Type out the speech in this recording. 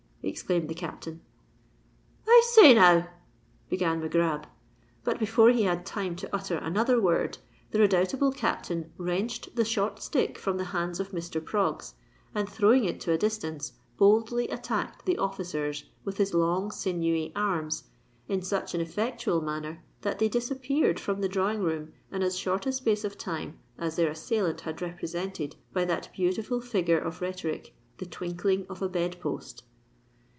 exclaimed the Captain. "I say now——" began Mac Grab: but, before he had time to utter another word, the redoubtable Captain wrenched the short stick from the hands of Mr. Proggs, and throwing it to a distance, boldly attacked the officers with his long sinewy arms in such an effectual manner, that they disappeared from the drawing room in as short a space of time as their assailant had represented by that beautiful figure of rhetoric—"the twinkling of a bed post."